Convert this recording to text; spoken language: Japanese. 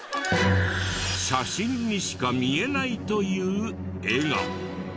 写真にしか見えないという絵が。